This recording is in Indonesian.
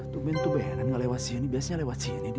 tuh bener bener nggak lewat sini biasanya lewat sini dia